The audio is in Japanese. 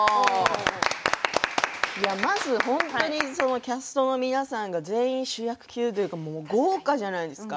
まず本当にキャストの皆さんが全員、主役級というか豪華じゃないですか。